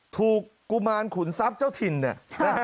กุมารขุนทรัพย์เจ้าถิ่นเนี่ยนะฮะ